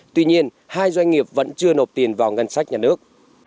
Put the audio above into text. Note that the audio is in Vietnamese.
tuy nhiên hai doanh nghiệp vẫn chưa nộp tiền vào ngân sách nhà nước